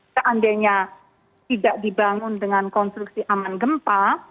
seandainya tidak dibangun dengan konstruksi aman gempa